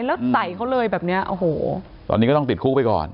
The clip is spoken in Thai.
แล้วไต่เขาเลยแบบนี้สมัยต้องติดคู่ไปก่อน